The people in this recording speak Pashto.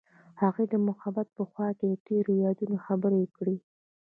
هغوی د محبت په خوا کې تیرو یادونو خبرې کړې.